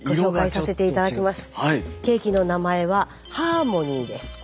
ケーキの名前はハーモニーです。